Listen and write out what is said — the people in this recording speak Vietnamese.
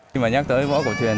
khi mà nhắc tới võ cổ truyền